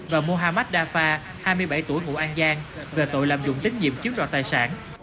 và mohammad dafa hai mươi bảy tuổi ngụ an giang về tội lạm dụng tín nhiệm chiếm đoạt tài sản